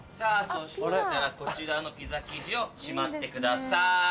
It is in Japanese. そうしましたらこちらのピザ生地をしまってください！